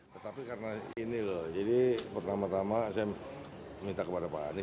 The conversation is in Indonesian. tetapi karena ini loh jadi pertama tama saya minta kepada pak anies